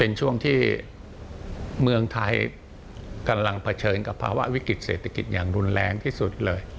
เป็นช่วงที่เมืองไทยกำลังเผชิญกับภาวะวิกฤตเศรษฐกิจอย่างรุนแรงที่สุดเลย